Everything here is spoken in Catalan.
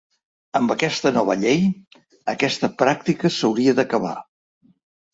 Amb aquesta nova llei, aquesta pràctica s’hauria d’acabar.